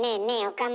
岡村。